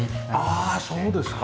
ああそうですか。